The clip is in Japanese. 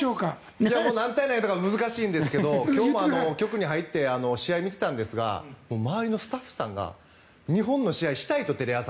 何対何とか難しいんですけど今日も局に入って試合を見ていたんですが周りのスタッフさんが日本の試合、テレ朝でしたいと。